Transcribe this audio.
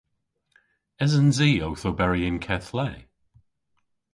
Esens i owth oberi y'n keth le?